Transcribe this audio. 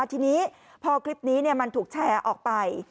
ทีนี้พอคลิปนี้มันถูกแชร์ออกไป